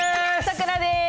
さくらです！